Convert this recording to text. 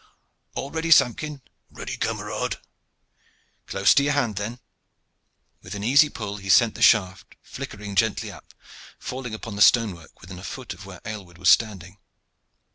"All ready, Samkin?" "Ready, camarade." "Close to your hand then." With an easy pull he sent the shaft flickering gently up, falling upon the stonework within a foot of where Aylward was standing.